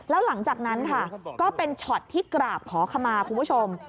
แล้วหลังจากนั้นค่ะก็เป็นช็อตที่กราบขอขมาคุณผู้ชม